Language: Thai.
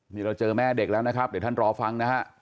นี่เราเจอแม่เด็กแล้วนะครับเดี๋ยวท่านรอฟังนะฮะ